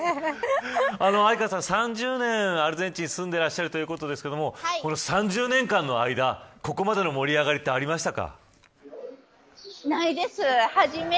相川さん、３０年アルゼンチンに住んでいらっしゃるということですけれども３０年間の間、ここまでの盛り上がりってありましたか。